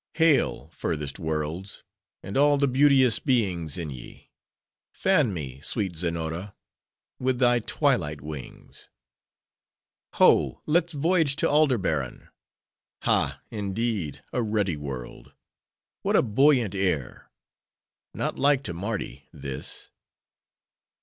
—Hail, furthest worlds! and all the beauteous beings in ye! Fan me, sweet Zenora! with thy twilight wings!—Ho! let's voyage to Aldebaran.—Ha! indeed, a ruddy world! What a buoyant air! Not like to Mardi, this.